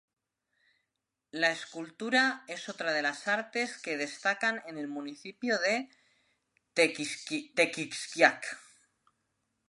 La escultura, es otra de las artes que destacan en el municipio de Tequixquiac.